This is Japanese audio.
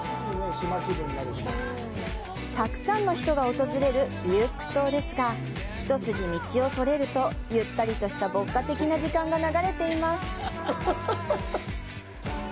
たくさんの人が訪れるビュユック島ですが、一筋道をそれるとゆったりとした牧歌的な時間が流れています。